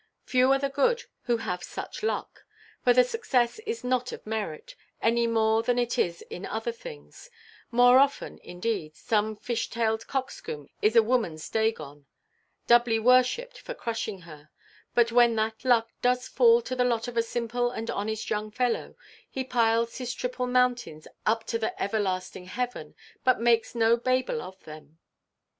Few are the good who have such luck—for the success is not of merit, any more than it is in other things; more often indeed some fish–tailed coxcomb is a womanʼs Dagon, doubly worshipped for crushing her—but when that luck does fall to the lot of a simple and honest young fellow, he piles his triple mountains up to the everlasting heaven, but makes no Babel of them.